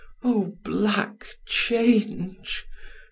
O black change!